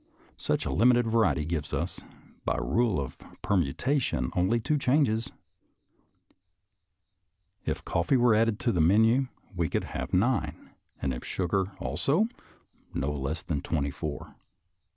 Such a limited variety gives us, by the rule of permutation, only two changes ; if coffee were added to the menu, we could have nine, and if sugar also, no less than twenty four.